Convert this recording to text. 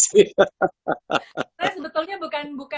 saya sebetulnya bukan